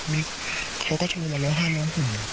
มีเขาก็โทรมาร้องห้าร้องหุ่น